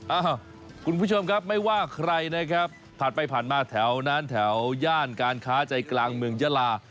เอ้าคุณผู้ชมครับไม่ว่าใครนะครับผ่านไปผ่านมาแถวนั้นแถวย่านการค้าใจกลางเมืองยาลา